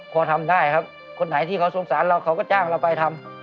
พอทำได้ครับคนไหนที่เขาสงสารเราเขาก็จ้างเราไปทำ